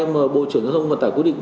mà bộ trưởng không còn tải quyết định